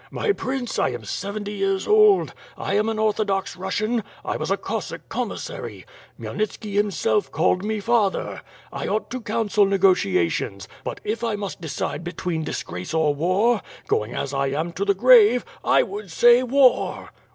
"My Prince, 1 am seventy years old, I am an Orthodox Rus sian; 1 was a Cossack commissary. Khmyelnitski, himself, called me father. 1 ought to counsel negotiations, but if I must decide between disgrace or war, going as 1 am to the grave, I would say War!"